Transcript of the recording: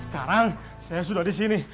sekarang saya sudah disini